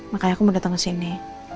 makanya aku mau datang kesini